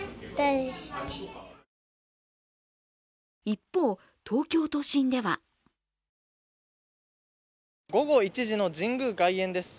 一方、東京都心では午後１時の神宮外苑です。